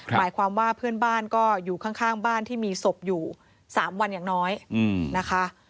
หมายความว่าเพื่อนบ้านก็อยู่ข้างบ้านที่มีศพอยู่๓วันอย่างน้อยนะคะ